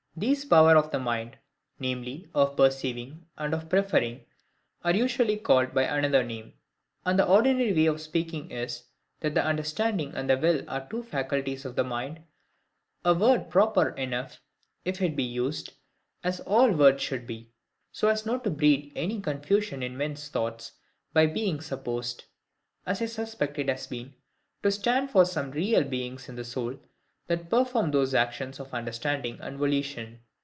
These powers of the mind, viz. of perceiving, and of preferring, are usually called by another name. And the ordinary way of speaking is, that the understanding and will are two FACULTIES of the mind; a word proper enough, if it be used, as all words should be, so as not to breed any confusion in men's thoughts, by being supposed (as I suspect it has been) to stand for some real beings in the soul that performed those actions of understanding and volition.